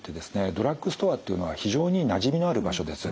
ドラッグストアっていうのは非常になじみのある場所です。